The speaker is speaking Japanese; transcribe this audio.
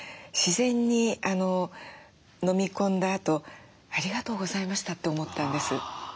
自然に飲み込んだあと「ありがとうございました」って思ったんです。